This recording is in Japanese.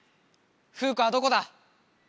フウカはどこだ！